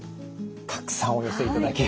たくさんお寄せいただき